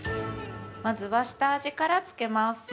◆まずは下味からつけます。